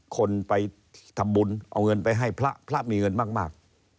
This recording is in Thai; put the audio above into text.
คนไปทำบุญเอาเงินไปให้พระพระมีเงินมาก